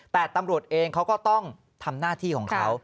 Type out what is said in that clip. แต่ตำรวจเองเขาก็ต้องทำหน้าที่ของเขา